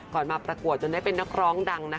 ก่อนมาประกวดจนได้เป็นนักร้องดัง